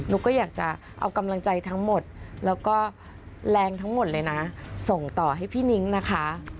ุ๊กก็อยากจะเอากำลังใจทั้งหมดแล้วก็แรงทั้งหมดเลยนะส่งต่อให้พี่นิ้งนะคะ